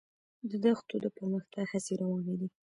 د دښتو د پرمختګ هڅې روانې دي.